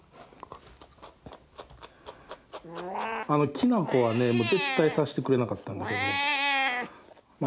きなこはねもう絶対さしてくれなかったんだけどまあ